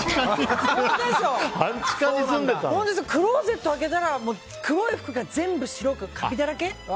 クローゼット開けたら黒い服が、全部白くカビだらけ。